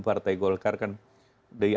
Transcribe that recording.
partai golkar kan dari